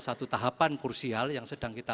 satu tahapan kursial yang sedang kita